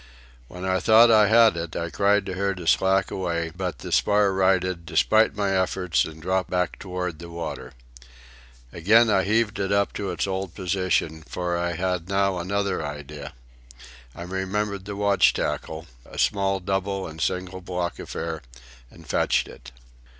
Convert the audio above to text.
When I thought I had it I cried to her to slack away; but the spar righted, despite my efforts, and dropped back toward the water. Again I heaved it up to its old position, for I had now another idea. I remembered the watch tackle—a small double and single block affair—and fetched it.